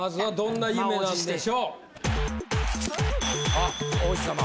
あ王子様。